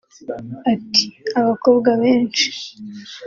Ati “Abakobwa benshi